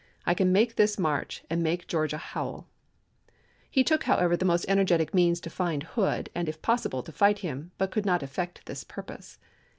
.. I can make this march and make Georgia howl !" He took, however, the most energetic means to find Hood, and, if possible, to fight him, but could not effect this purpose.